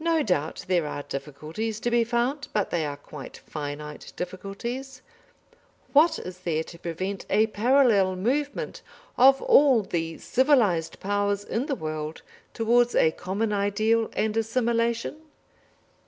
No doubt there are difficulties to be found, but they are quite finite difficulties. What is there to prevent a parallel movement of all the civilised Powers in the world towards a common ideal and assimilation?